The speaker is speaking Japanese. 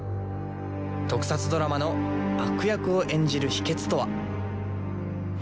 特撮ドラマの悪役を演じる秘けつとは。